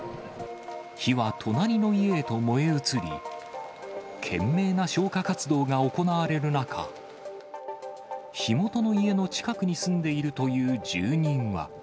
火は隣の家へと燃え移り、懸命な消火活動が行われる中、火元の家の近くに住んでいるという住人は。